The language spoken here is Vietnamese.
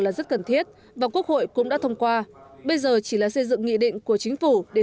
là rất cần thiết và quốc hội cũng đã thông qua bây giờ chỉ là xây dựng nghị định của chính phủ để